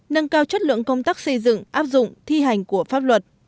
nâng cao chất lượng công tác xây dựng áp dụng thi hành của pháp luật